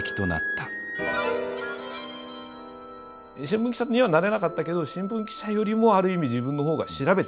新聞記者にはなれなかったけど新聞記者よりもある意味自分の方が調べて書いてやるんだと。